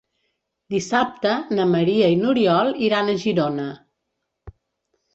Dissabte na Maria i n'Oriol iran a Girona.